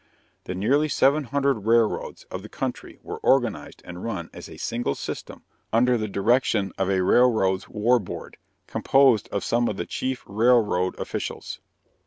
The nearly seven hundred railroads of the country were organized and run as a single system under the direction of a Railroads' War Board, composed of some of the chief railroad officials.